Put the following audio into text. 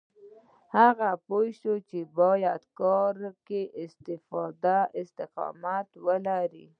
هغه پوه شو چې بايد په کار کې استقامت ولري.